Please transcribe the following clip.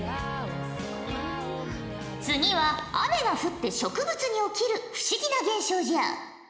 次は雨が降って植物に起きる不思議な現象じゃ。